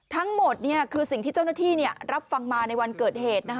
ทั้งหมดคือสิ่งที่เจ้าหน้าที่รับฟังมาในวันเกิดเหตุ